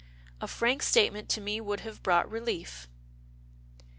A frank statement to me would have brought relief."